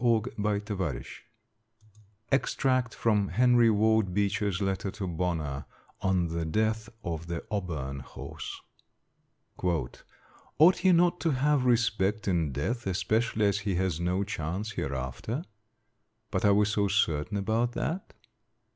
Extract from Henry Ward Beecher's letter to Bonner on the death of the Auburn horse: "Ought he not to have respect in death, especially as he has no chance hereafter? But are we so certain about that?